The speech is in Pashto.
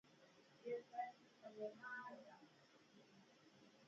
د ریګ دښتې د افغانانو ژوند اغېزمن کوي.